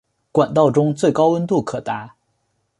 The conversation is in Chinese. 管道中最高温度可达。